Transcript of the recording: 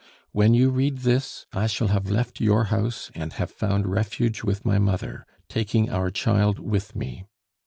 "When you read this, I shall have left your house and have found refuge with my mother, taking our child with me.